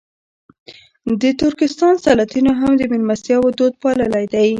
د ترکستان سلاطینو هم د مېلمستیاوو دود پاللی دی.